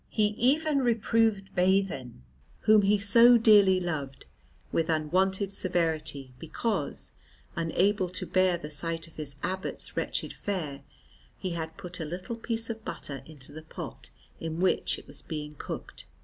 He even reproved Baithen, whom he so dearly loved, with unwonted severity, because, unable to bear the sight of his abbot's wretched fare, he had put a little piece of butter into the pot in which it was being cooked.